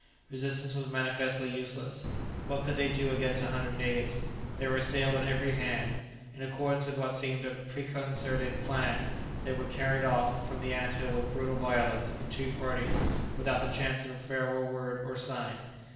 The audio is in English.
Resistance was manifestly useless. What could they do against a hundred natives? they were assailed on every hand. In accordance with what seemed a preconcerted plan, they were carried off from the ant hill with brutal violence, in two parties, without the chance of a farewell word or sign.